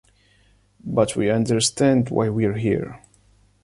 But we understand why we’re here.